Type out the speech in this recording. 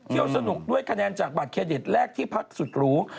สนุกด้วยคะแนนจากบัตรเครดิตแรกที่พักสุดหรู